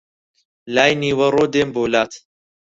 لای نیوەڕۆ دێم بۆ لات